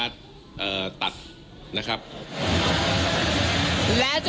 ที่สนชนะสงครามเปิดเพิ่ม